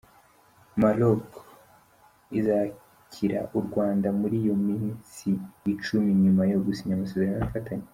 Maroc izakira u Rwanda muri iyi minsi icumi nyuma yo gusinya amasezerano y’ubufatanye.